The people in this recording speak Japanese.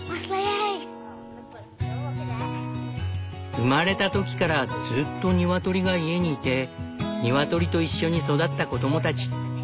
生まれた時からずっとニワトリが家にいてニワトリといっしょに育った子供たち。